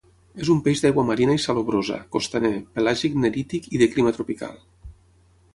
És un peix d'aigua marina i salabrosa, costaner, pelàgic-nerític i de clima tropical.